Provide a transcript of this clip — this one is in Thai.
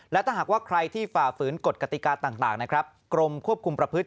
และถ้าหากว่าใครที่ฝ่าฝืนกฎกติกาต่างนะครับกรมควบคุมประพฤติ